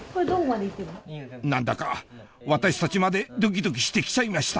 何だか私たちまでドキドキして来ちゃいました！